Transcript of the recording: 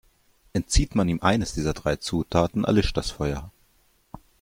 Entzieht man ihm eines dieser drei Zutaten, erlischt das Feuer.